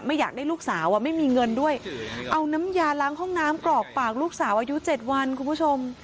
อยากได้ลูกสาวอ่ะไม่มีเงินด้วยเอาน้ำยาล้างห้องน้ำกรอกปากลูกสาวอายุเจ็ดวันคุณผู้ชม